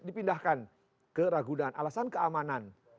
dipindahkan ke ragu dan alasan keamanan